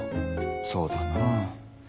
そうだな。